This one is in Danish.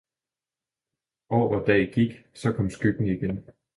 År og dag gik, så kom skyggen igen.